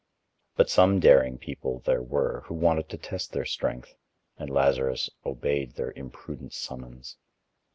But some daring people there were, who wanted to test their strength, and Lazarus obeyed their imprudent summons.